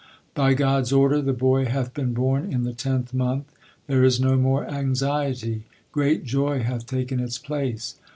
By God s order the boy hath been born in the tenth month. There is no more anxiety ; great joy hath taken its place.